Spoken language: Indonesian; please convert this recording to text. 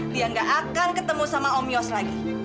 dia gak akan ketemu sama om yos lagi